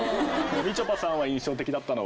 みちょぱさんは印象的だったのは？